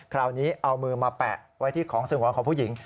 คราวนี้เอามือมาแปะไว้ที่ของสงวนของผู้หญิง